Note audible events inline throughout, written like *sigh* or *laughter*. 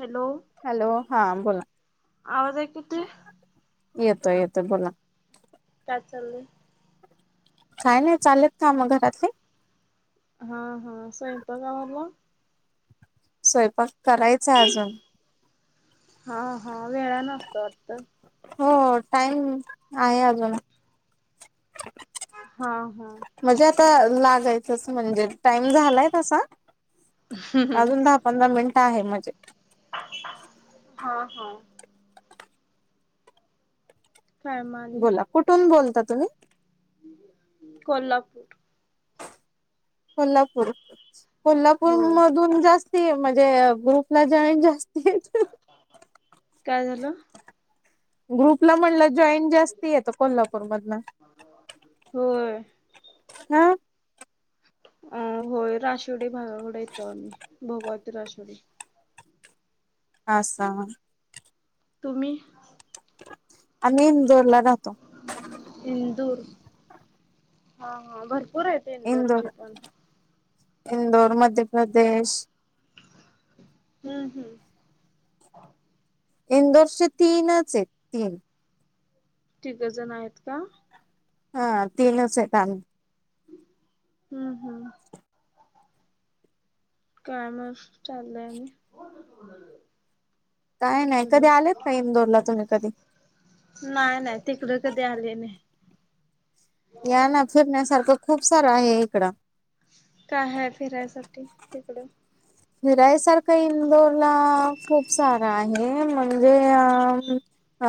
Hello, hello हा बोला आवाज ऐकु येतोय. येतोय, येतोय बोला. काय चालय? काय नाही? चालेत काम घरातली, हा हा स्वयपांक आवरला. स्वयंपाक करायचा आहे अजून, हा हा वेळा असतो वाटतं. हो टाइम आहे अजून, हा हा म्हणजे आता लागायचं अस म्हणजे टाइम झालाय तसा अजून दहा, पंधरा मिनिट आहे म्हणजे हा हा काय म आणि? बोला कुठून बोलता तुम्ही? कोल्हापूर, कोल्हापूर, होय. कोल्हापूरमधून जास्ती म्हणजे ग्रुपला जाॉईन जास्त काय झालं? ग्रुपला म्हटलं जॉईन जास्त आहेत कोल्हापूरमधन होय, हा अ होय राशिवडे भागाकडे येतो आम्ही भोगावाती राशिवडे, *unintelligible* तुम्ही, आम्ही इंदोरला राहतो. इंदूर हा हा भरपूर आहेत. इंदूरचे इंदोर पण. इंदोर मध्यप्रदेश, हम्म हम्म इंदोरचे तीनच आहेत. तीन तिघजण आहेत का? हा तीनच आहेत आम्ही, हम् हम्म काय म चाललंय? आणि काय नाही, हॅलो. कधी आलेत का इंदोरला तुम्ही कधी? नाही नाही तिकडं कधी आले नाही. या ना फिरण्यासारखं खूप सारं आहे. इकडं काय हाय फिरायसाठी तिकडे फिरायसारखं इंदोरला खूप सारा आहे म्हणजे अ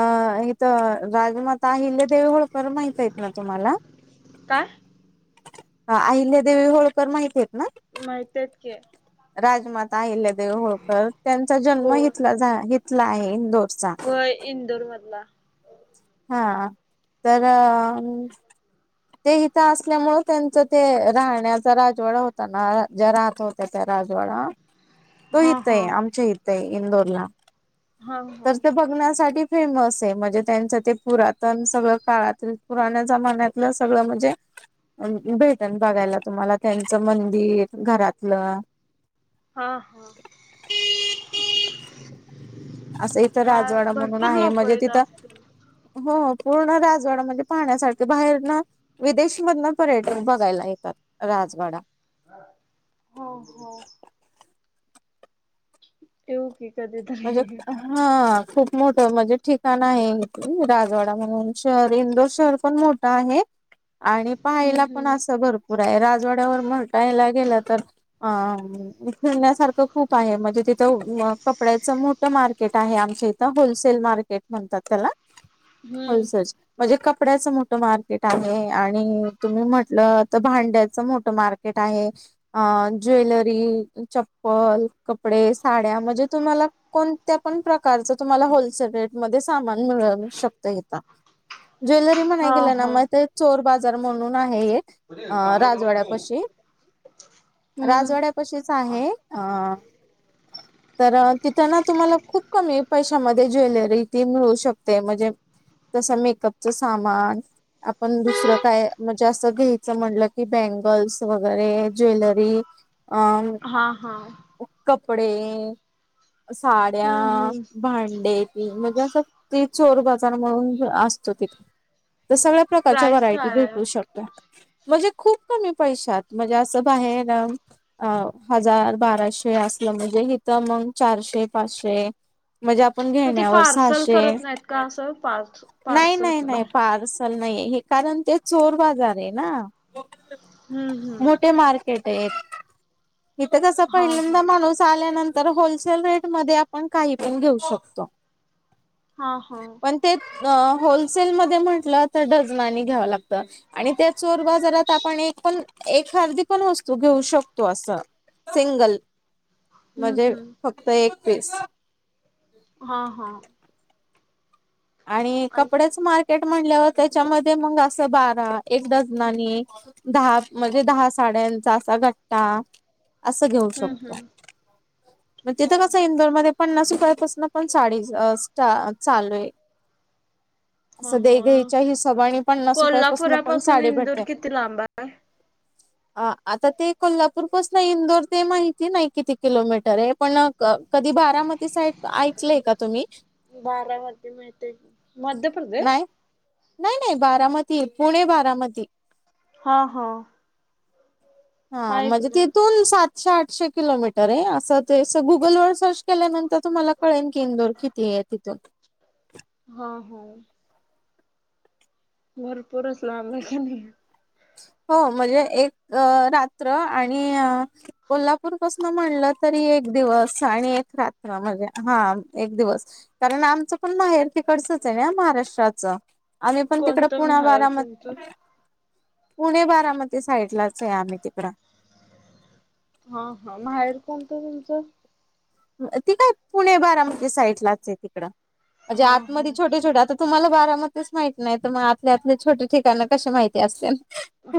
अं इथं राजमाता अहिल्यदेेव होळकर माहित येत ना तुम्हाला काय? हा अहिल्यादेवी होळकर माहिती येत ना? माहिती येत की. राजमाता अहिल्यादेवी होळकर त्यांचा हो जन्म हिथला झा हिथला आहे इंदोर. व्हय इंदूर मधला हा तर ते इथं असल्यामुळे त्यांचं ते राहण्याचा राजवाडा होता ना ज्या राहत हो त्याचा राजवाडा तो हा हा हितंये आमच्या हितये इंदोरला हा तर हा ते बघ फिरण्यासाठी फेमस आहे, म्हणजे त्यांचं ते पुरातन सगळं काळातील पुराण्या जमान्यात नं सगळं म्हणजे? भेटण बघायला तुम्हाला त्यांचं मंदिर, घरातलं हं हं असं इथं राजवाडा म्हणून आहे म्हणजे तिथं असतील हो पूर्ण राजवाडा म्हणजे पाहण्यासारखं बाहेरनं विदेशमधनं पर्यटक बघायला येतात राजवाडा हो हो येउ कि म्हणजे हं खूप मोठं म्हणजे ठिकाण आहे हे. राजवाडा म्हणून शहर इंदोर शहर पण मोठं आहे. आणि हम्म पहायला पण हम्म असं भरपूर आहे. राजवाड्यावर म्हटायला गेलं तर अं फिरण्यासारखं खूप आहे म्हणजे तिथ कपड्याचं मोठं मार्केट आहे आमच्या इथं, होलसेल मार्केट म्हणतात त्याला हम्म होलसेल म्हणजे कपड्याचं मोठं मार्केट आहे आणि तुम्ही म्हटलं तर भांड्याचं मोठं मार्केट मार्केट आहे, अं ज्वेलरी, चप्पल कपडे, साड्या म्हणजे तुम्हाला कोणत्या पण प्रकारचं तुम्हाला होलसेल रेट मधेच सामान मिळ शकतं हिथं. ज्वेलरी म्हणाया हा गेलं ना हा मं ते चोर बाजार म्हणून आहे एक अ हम्म राजवाड्यापशी राजवाड्या राजवाड्यापशीच आहे अं तर तिथं ना तुम्हाला खूप कमी पैशामध्ये ज्वेलरी ती मिळू शकते म्हणजे तसं मेकअपचं सामान आपण दुसरं काय म्हणजे असं घ्यायचं म्हणलं की बँगल्स वगैरे ज्वेलरी अं हा हा कपडे हम्म साड्या, हम्म भांडे म्हणजे असं ते चोर बाजार म्हणून असतो तिथ तर सगळं प्रकारच्या प्राईस व्हरायटी काय आहे भेटू शकता. म्हणजे खूप कमी पैशात म्हणजे असं बाहेर अं अं हजार बाराशे असलं म्हणजे हितं मग चारशे पाचशे म्हणजे आपण मग ते घेण्यावर पार्सल सहाशे, करत नाहीत का असं पार्स नाही पार्सल नाही हम्म पार्स नाहीये कारण ते चोर बाजार आहेना. हम्म मोठे मार्क इथं कस हा पहिल्यांदा हा माणूस आल्यानंतर तर होलसेल रेटमध्ये आपण काही पण घेऊ शकतो. हा हा पण ते होलसेलमध्ये म्हटलं तर डझनाने घ्यावं लागतं. आणि त्या चोर बाजारात आपण एक पण एखादी पण वस्तू घेऊ शकतो असं सिंगल हम्म म्हणजे हम्म फक्त एक पीस हा हा आणि कपडेच मार्केट म्हणल्यावर त्याच्यामध्ये मग असं बारा एक डजनानी दहा म्हणजे दहा साड्यांचा असा घट्टा. असं घेऊ हम्म शकतो? हम्म मग हा तिथं कसं हा इंदोरमध्येध्ये पन्नास रुपये पासून पण साडी स् चालू आहे, *unintelligible* ह असं ह, देघईच्या हिशोबाने पन्नास रुपयापासून कोल्हापुरा पण पासून साडी इंदूर भेटते किती लांब आहे. अ आता ते कोल्हापूरपस नाही इंदोर ते माहिती नाही किती किलोमीटर. रे पण कधी बारामती सा ऐकलंय का तुम्ही, बारामध्ये मिळते मध्य प्रदेश, नाही नाही नाही बारामती, पुणे बारामती, हा हा, हा म्हणजे ऐकलंय तिथून सात. े आठशे किलोमीटर आहे. असं ते गुगल वर सर्च केल्यानंतर तुम्हाला कळेन क इंदोर कि, ते तिथ, हा होा? भरपूरच लाबख नाही. हो म्हणजे एक रात्र आणि, कोल्हापूरपसून म्हणलं तरी एक दिवस आणि एक रात्र म्हणजे हा एक दिवस, कारण, आमचं पण माहेर तिकडचच आहे ना महाराष्ट्राचं. आम्ही पण तिकड कोणतं पुणा माहेर बारामती तुमचं? पुणे, बारामती साईड लाच आहे आम्ही तिकड. हा हा माहेर कोणतं तुमचं. ती काय पुणे, बारामती साईड लाच आहे तिकडं म्हणजे हा हा आतमध्ये छोटे छोटे आता, तुम्हाला बारामतीच माहित नाही. तर मग आतले आतले छोटे ठिकाण कसे माहिती असतील?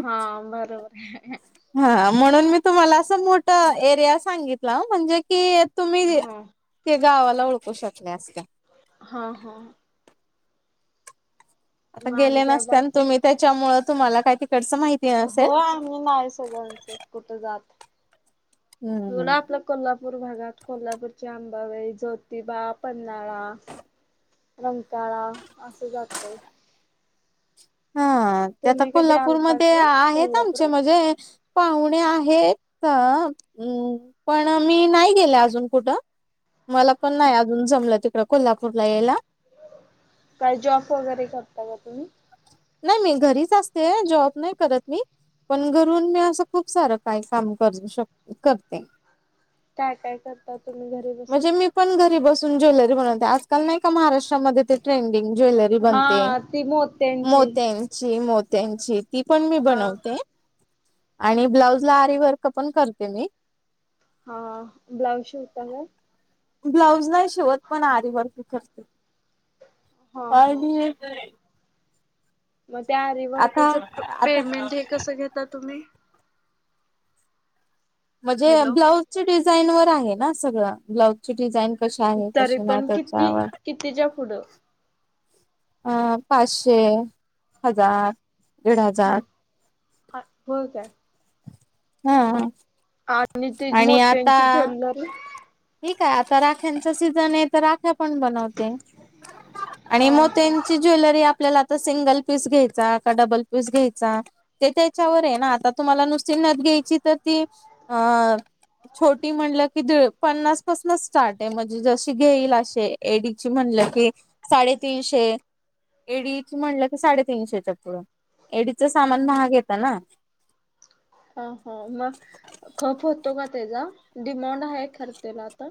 हा बरोबर आहे? हा म्हणून मी तुम्हाला असं मोठ एरिया सांगितलं, म्हणजे की तुम्हीं हा त्या गावाला ओळखू शकले का. हा हा, आता मग गेले आणि काय नसते बाकी आणि त्याच्यामुळेळ तुम्हाला काय तिकडचं माहिती. नसेल. हो नाही सगळ्यांच कुठं जात हम्म. बला, कोल्हापूर कोल्हापूरचे अंबाबाई, ज्योतिबा, पन्हाळा रंकाळा असं जातो. हा ते आता तुम्ही कधी आलता कोल्हापूरमध्ये ग आहेत आमचे कोल्हापुरात? म्हणजे, पाहुणे आहेत, पण मी नाही गेले अजून कुठं मला पण नाही, अजून जमलं तिकड कोल्हापूरला यायला काय जॉब वगैरे करता का तुम्ही. नाही मी घरीच असते जॉब नाही करत मी, पण घरून मी असं खूप सारं काही काम कर शक करते? काय काय करता तुम्ही घरी बसून, म्हणजे मी पण घरी बसून ज्वेलरी बनवते? ल नाही का महाराष्ट्रामध्ये ते ट्रेंडिंग ज्वेलरी बनते. हा ती मोत्यांचे, मोत्यांची मो, त्यांची ती पण मी हा बनवते आणि ब्लाऊज ला आरी वर्क पण करते मी, हा ब्लाऊज शिवता का, ब्लाऊज नाही शिवत पण.. आरी वर्क करते हा हा आणि मग त्या आता वर्करच आता पेमेंट हे कसं तुम्ही, म्हणजे हॅलो ब्लाऊज ची डिझाईन वर आहे ना सगळं, ब्लाउज ची डिझाईन कशी आहे तरी कसे नाही. पण किती त्याच्यावर. कितीच्या पुढं? अ पाचशे, हजार, दीड हजार. हा होय काय? हा आणि ते मोत्यांची ज्वेलरी. ठीके. आता राख्यांच सीझने, तर रा पण बनवते. आणि हा हा मोत्यांची ज्वेलरी आपल्याला आता सिंगल पीस घ्यायचा. का डबल पीस घ्यायचा. ते त्याच्यावरे ना. आता तुम्हाला नुस घ्यायची त ती अ छोटी म्हटलं की पन्नास पासूनच स्टार्ट आहे, म्हणजे जशी घेईल असे एडीची म्हणलं की साडेतीनशे. एडीए ची म्हलंकी साडेतीनशेच्या पुढं. एडीचं सामान महाग येत ना. ह ह. म खप होतो का त्याचा, डिमांड आहे खर त्याला आता.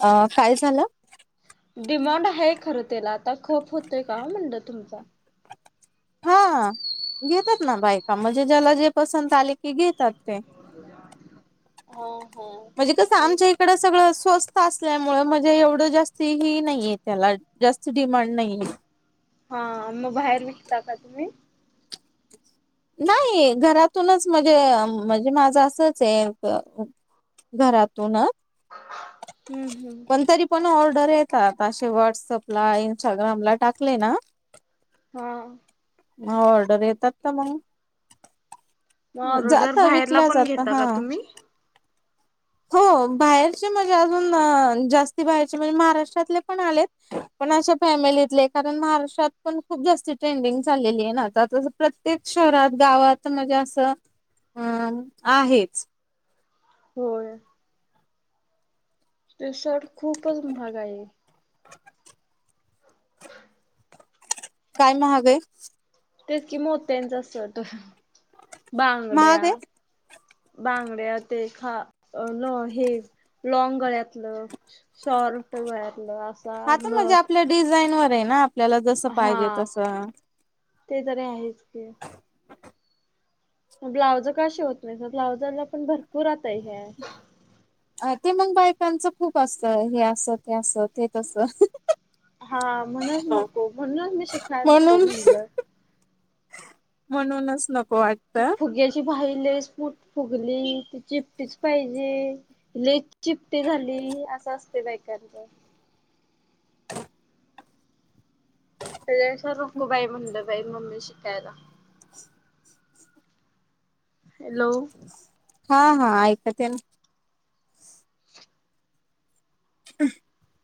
अ काय झालं? डिमांड हाय खर तेला आता, खप होतय का म्हणल तुमचा? हा घेतात ना बायका. म्हणजे ज्याला जे पसंत आले की घेतात ते. *unintelligible* हो हो म्हणजे कसं आणि आमच्या इकड सगळ स्वस्त असल्यामुळे, म्हणजे एवढं जास्ती ही नाहीेये त्याला. जास्त डिमांड नाहीये. हा, म बाहेर विकता का तुम्ही? नाही. घरातूनच म्हणजे, म्हणजे माझं असंचे घरातूनच. हम्म हम्म. पण तरी पण ऑर्डर येतातता. असे व्हॉट्सअपला इंस्टाग्रामला टाकले ना. हा ह ऑर्डर येतात ना मग. मग ऑर्डर जाता बाहेरला विकल्या पण जाता. घेता ह. का तुम्ही हो बाहेरचे म्हणजे अजून, जास्ती बाहेरचे म्हणजे महाराष्ट्रातले पण आलेत. पण अशा फॅमिलीतले, कारण महाराष्ट्रात पण खूप जास्ती ट्रेंडिंग चाललेलीय ना आता, तस प्रत्येक शहरात गावात म्हणजे असं आहेच. होय. ते सट खूपच महाग आहे. *unintelligible* काय महाग हाय? तेच कि मोत्यांचा सट, बांगड्या, महाग आहे बांगड्या, ते खा हे लॉग गळ्यातलं. शॉर्ट गळ्यातलं. असा हा त म्हणजे नथ आपल्या डिझाईन वर हाय ना, आपल्याला जसं पाहिजे हा तसं. ते तरी हायेच की. ब्लाउज का शीवत नाही? ब्लाउजला पण भरपूर आता हे हाये. अ ते मग बायकांचं खूप असत. हे अस, ते अस, ते तस. हा म्हणून च नको, म्हणूनच मी शिकायला नको म्हणून म्हणलं. म्हणूनच नको वाट ती फुग्याची बाहि लेस स्पुट फुगली ती चिपटीच पाहिजे लेस चिपटी झाली असं असतय बायकांच ते सरकू बाई म्हणलं बाई मम्मी शिकायला हॅलो हां हां ऐकत ये ना *inaudible* *inaudible*